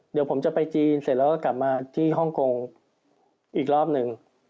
เดี๋ยวผมจะไปจีนเสร็จแล้วก็กลับมาที่ฮ่องกงอีกรอบหนึ่ง